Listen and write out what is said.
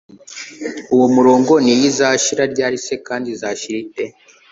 uwo murongo ni iyihe Izashira ryari kandi se izashira ite